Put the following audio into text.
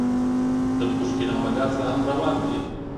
د پوشکين عمليات لا هم روان دي.